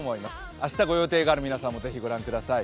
明日ご予定がある皆さんもぜひご覧ください。